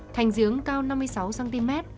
thành giếng cao năm mươi sáu cm